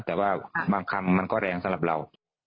แต่ว่าบางคำมันก็แรงสำหรับเรา